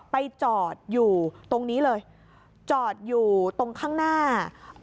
ไปจอดอยู่ตรงนี้เลยจอดอยู่ตรงข้างหน้า